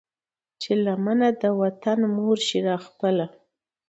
چې لمنه د وطن مور شي را خپله